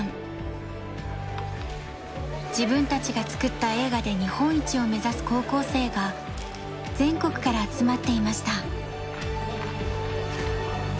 自分たちが作った映画で日本一を目指す高校生が全国から集まっていました。